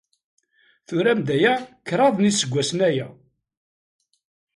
Turam-d aya kraḍ n yiseggasen aya.